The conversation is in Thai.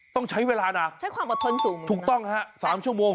ต้องใช้เวลานะถูกต้องนะฮะ๓ชั่วโมงใช้ความอดทนสูง